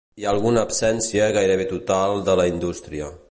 Hi ha una absència gairebé total de la indústria.